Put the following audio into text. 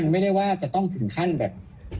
ไม่ได้ว่าจะต้องถึงขั้นแบบ